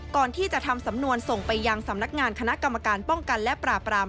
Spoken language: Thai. ก่อนที่จะทำสำนวนส่งไปยังสำนักงานคณะกรรมการป้องกันและปราบราม